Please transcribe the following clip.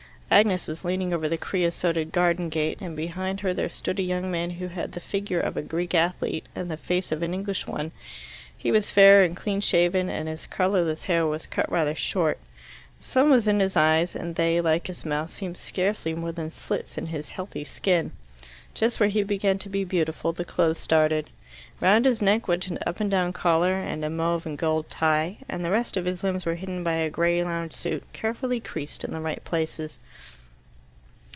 Agnes was leaning over the creosoted garden gate, and behind her there stood a young man who had the figure of a Greek athlete and the face of an English one. He was fair and cleanshaven, and his colourless hair was cut rather short. The sun was in his eyes, and they, like his mouth, seemed scarcely more than slits in his healthy skin. Just where he began to be beautiful the clothes started. Round his neck went an up and down collar and a mauve and gold tie, and the rest of his limbs were hidden by a grey lounge suit, carefully creased in the right places.